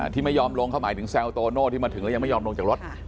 ที่ไม่ยอมลงเขาหมายถึงแซวโตโน่ที่มาถึงแล้วยังไม่ยอมลงจากรถ